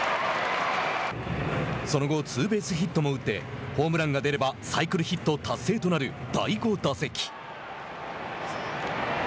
その後ツーベースヒットも打ってホームランが出ればサイクルヒット達成となる第５打席。